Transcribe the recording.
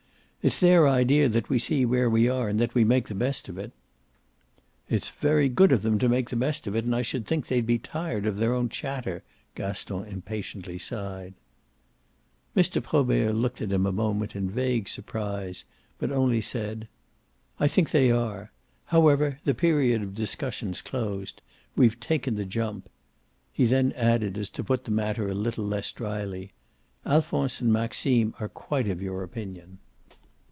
"It's their idea that we see where we are and that we make the best of it." "It's very good of them to make the best of it and I should think they'd be tired of their own chatter," Gaston impatiently sighed. Mr. Probert looked at him a moment in vague surprise, but only said: "I think they are. However, the period of discussion's closed. We've taken the jump." He then added as to put the matter a little less dryly: "Alphonse and Maxime are quite of your opinion."